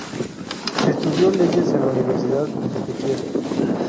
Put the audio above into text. Estudió leyes en la Universidad de Kiev.